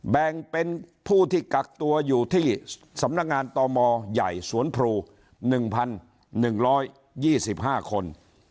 แบ่งเป็นผู้ที่กักตัวอยู่ที่สำนักงานต่อมอใหญ่สวนพรูหนึ่งพันหนึ่งร้อยยี่สิบห้าคน